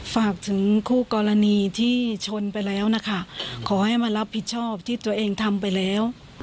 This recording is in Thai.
ฝากถึงคู่กรณีที่ชนไปแล้วนะคะขอให้มารับผิดชอบที่ตัวเองทำไปแล้ว